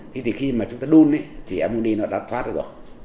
thì thì khi mà chúng ta đun ấy thì ammoni nó đã thoát ra rồi